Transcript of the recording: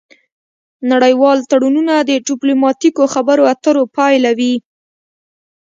نړیوال تړونونه د ډیپلوماتیکو خبرو اترو پایله وي